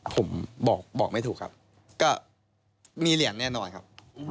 ผมบอกไม่ถูกครับก็มีเหรียญแน่นอนครับ